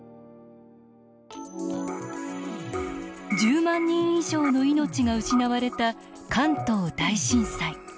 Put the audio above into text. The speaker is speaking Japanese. １０万人以上の命が失われた関東大震災。